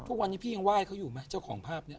ทุกวันนี้พี่ยังไห้เขาอยู่ไหมเจ้าของภาพนี้